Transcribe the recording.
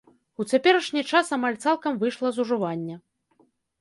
У цяперашні час амаль цалкам выйшла з ужывання.